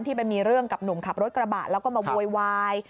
ไปมีเรื่องกับหนุ่มขับรถกระบะแล้วก็มาโวยวาย